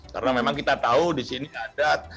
karena memang kita tahu di sini ada